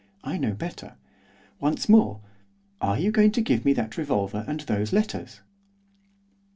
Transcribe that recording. I know better. Once more, are you going to give me that revolver and those letters?